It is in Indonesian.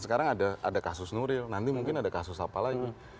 sekarang ada kasus nuril nanti mungkin ada kasus apa lagi